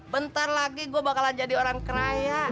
bentar lagi gua bakalan jadi orang keraya